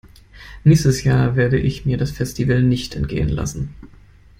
Nächstes Jahr werde ich mir das Festival nicht entgehen lassen.